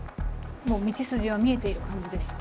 もう道筋は見えている感じですか？